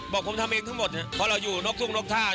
บอกผมทำเองทั้งหมดเพราะเราอยู่นกทุ่งนกท่า